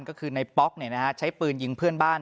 ก็คือในป๊อกใช้ปืนยิงเพื่อนบ้าน